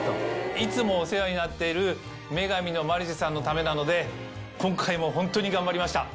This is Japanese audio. いつもお世話になっている『女神のマルシェ』さんのためなので今回もホントに頑張りました。